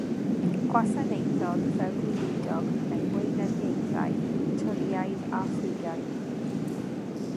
Gwasanaethodd fel gweinidog mewn gweinyddiaethau Torïaidd a Chwigaidd.